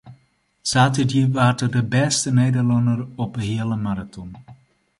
Saterdei waard er de bêste Nederlanner op de heale maraton.